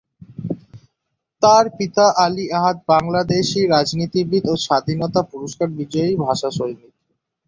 তার পিতা অলি আহাদ বাংলাদেশী রাজনীতিবিদ ও স্বাধীনতা পুরস্কার বিজয়ী ভাষা সৈনিক।